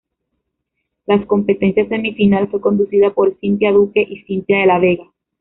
La Competencia Semifinal fue conducida por Cynthia Duque y Cynthia De la Vega.